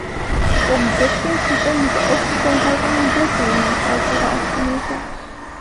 Volgens dit principe moeten ook gezondheid en ontwikkeling aan geld worden afgemeten.